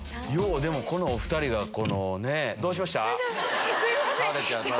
ようでもこのお２人がこのねぇ。どうしました？